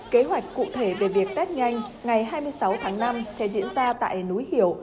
kế hoạch cụ thể về việc test nhanh ngày hai mươi sáu tháng năm sẽ diễn ra tại núi hiểu